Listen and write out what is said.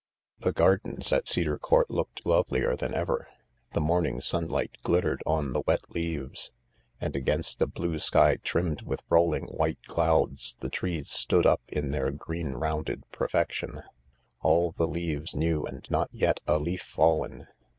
The gardens at Cedar Court looked lovelier than ever. The morning sunlight glittered on the wet leaves, and against a blue sky trimmed with rolling white clouds the trees stood up in their green rounded perfection — all the leaves new and not yet a leaf fallen.